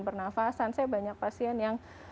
pernafasan saya banyak pasien yang